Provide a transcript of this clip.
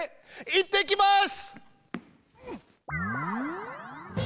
いってきます！